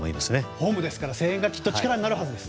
ホームですから声援が力になるはずです。